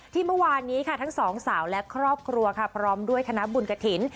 เมื่อวานนี้ค่ะทั้งสองสาวและครอบครัวค่ะพร้อมด้วยคณะบุญกระถิ่น